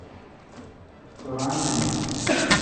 سو راین مانین۔